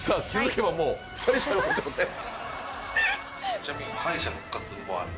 ちなみに敗者復活戦もある。